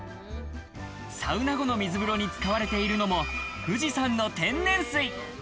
サウナ後の水風呂に使われているのも富士山の天然水。